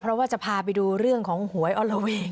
เพราะว่าจะพาไปดูเรื่องของหวยออโลเวย์